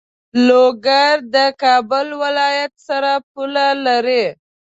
لوګر د کابل ولایت سره پوله لری.